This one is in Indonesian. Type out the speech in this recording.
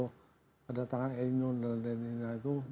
kedatangan el nino dan la lina itu